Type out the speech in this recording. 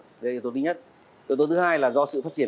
đó là yếu tố thứ nhất yếu tố thứ hai là do sự phát triển